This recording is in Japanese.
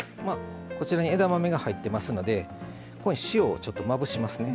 こちらに枝豆が入ってますので塩をちょっとまぶしますね。